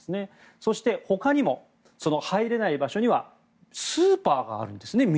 そして、他にも入れない場所にはミニスーパーがあるんですね。